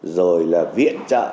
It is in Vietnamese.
rồi là viện trợ